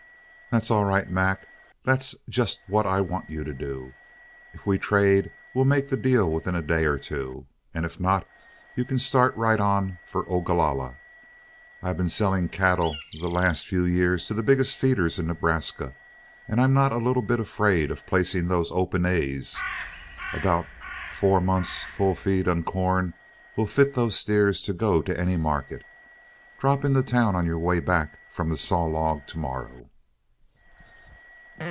"That's all right, Mac; that's just what I want you to do. If we trade, we'll make the deal within a day or two, and if not you can start right on for Ogalalla. I've been selling cattle the last few years to the biggest feeders in Nebraska, and I'm not a little bit afraid of placing those 'Open A's.' About four months full feed on corn will fit those steers to go to any market. Drop into town on your way back from the Saw Log to morrow."